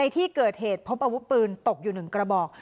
ที่เกิดเหตุพบอาวุธปืนตกอยู่๑กระบอก